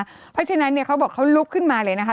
เพราะฉะนั้นเนี่ยเขาบอกเขาลุกขึ้นมาเลยนะคะ